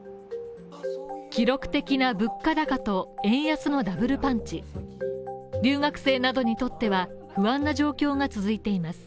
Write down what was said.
記録的な物価高と円安のダブルパンチ留学生などにとっては不安な状況が続いています。